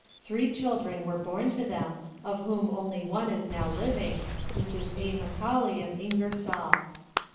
Three children were born to them, of whom only one is now living, Mrs. A. Macaulay, of Ingersoll.